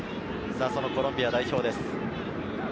そのコロンビア代表です。